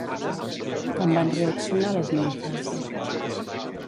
Com van reaccionar les nimfes?